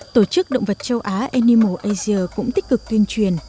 tổ chức động vật châu á animal asia cũng tích cực tuyên truyền